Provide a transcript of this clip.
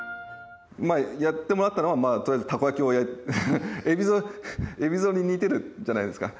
まあやってもらったのはとりあえずたこ焼きを海老蔵海老蔵に似てるじゃないですか。